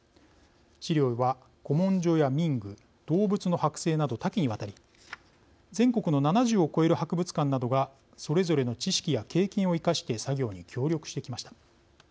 資料は、古文書や民具動物のはく製など多岐にわたり全国の７０を超える博物館などがそれぞれの知識や経験を生かして作業に協力してきました。